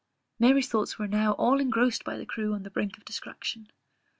Mary's thoughts were now all engrossed by the crew on the brink of destruction.